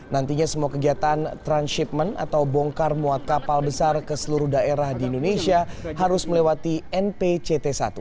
nantinya semua kegiatan transhipment atau bongkar muat kapal besar ke seluruh daerah di indonesia harus melewati npct satu